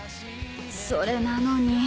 それなのに。